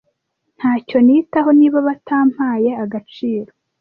ntacyo nitaho niba batampaye agaciro